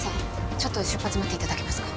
ちょっと出発待っていただけますか？